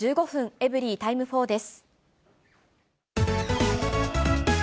エブリィタイム４です。